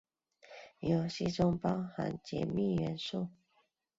游戏中含有解密元素。